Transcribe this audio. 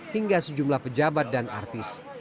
hingga sejumlah pejabat dan artis